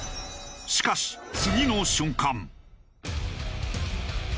しかし次の瞬間。